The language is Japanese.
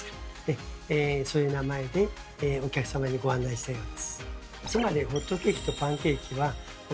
そういう名前でお客様にご案内したようです。